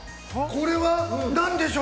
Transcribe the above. これは何でしょう？